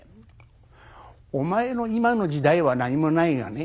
お前の今の時代は何もないがね